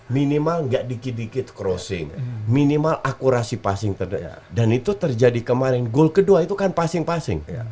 minimal nggak dikit dikit crossing minimal akurasi pasir terbenar dan itu terjadi kemarin gold kedua itu kan pasing pasing